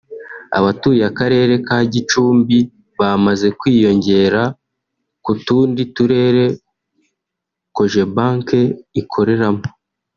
abatuye akarere ka Gicumbi bamaze kwiyongera ku tundi turere Cogebanque ikoreramo